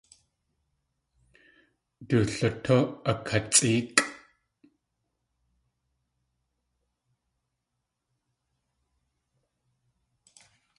Du lutú akatsʼéekʼ.